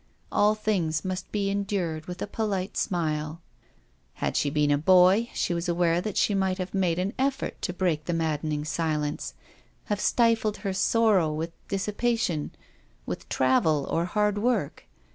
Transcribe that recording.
All things must be endured with a polite smile. Had she been a boy, she was aware that she might have made an effort to break the maddening silence ; have stifled her sorrow with dissipa tion, with travel, or hard work.